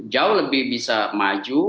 jauh lebih bisa maju